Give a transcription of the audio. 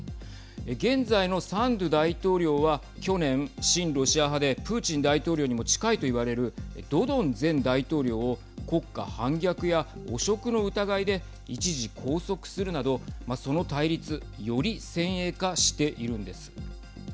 現在のサンドゥ大統領は去年親ロシア派でプーチン大統領にも近いと言われるドドン前大統領を国家反逆や汚職の疑いで一時拘束するなどその対立より先鋭化しているんです。